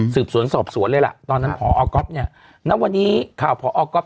สืบสวนสอบสวนเลยล่ะตอนนั้นพอก๊อฟเนี่ยณวันนี้ข่าวพอก๊อฟ